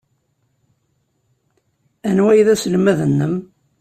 Anwa ay d aselmad-nnem?